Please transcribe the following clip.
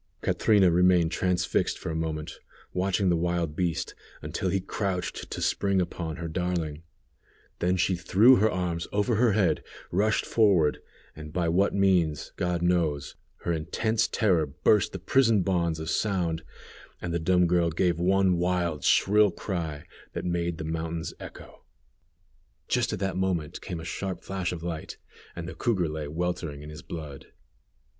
Catrina remained transfixed for a moment, watching the wild beast, until he crouched to spring upon her darling; she then threw her arms over her head, rushed forward, and by what means, God knows, her intense terror burst the prison bonds of sound, and the dumb girl gave one wild, shrill cry, that made the mountains echo. Just at that moment came a sharp flash of light, and the cougar lay weltering in his blood.